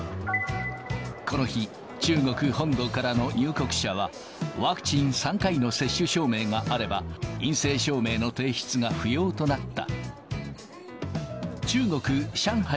この日、中国本土からの入国者は、ワクチン３回の接種証明があれば、陰性証明の提出が不要となった。